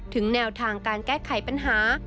ถึงแนวทางการแก้ไขปัญหา